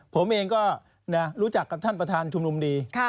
ผมเองก็รู้จักกับท่านประธานชุมนุมดี